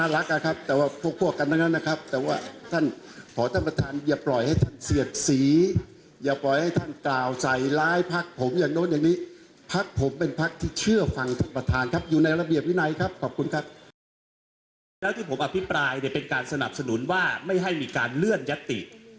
แล้วที่ผมอภิปรายเนี่ยเป็นการสนับสนุนว่าไม่ให้มีการเลื่อนยัตติ